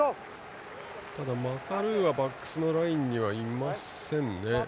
ただマカルーはバックスのラインにはいませんね。